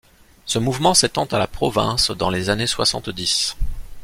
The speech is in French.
Ce mouvement s'étend à la province dans les années soixante-dix.